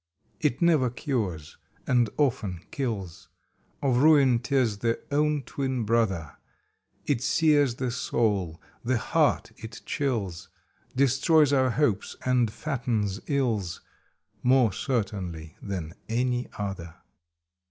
It never cures and often kills; Of Ruin tis the own twin brother; It sears the soul, the heart it chills, Destroys our hopes and fattens ills, More certainly than any other.